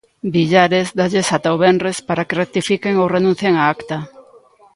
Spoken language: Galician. Villares dálles ata o venres para que rectifiquen ou renuncien á acta.